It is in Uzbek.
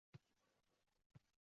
Keti ich-kari kirib yo‘qoldi.